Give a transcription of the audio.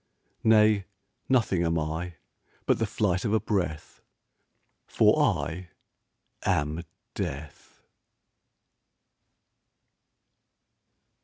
Nay; nothing am I, But the flight of a breath For I am Death!